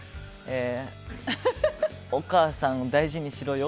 お母さんを大事にしろよ。